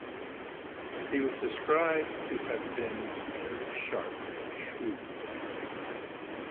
He was described to have been very sharp and "shrewd".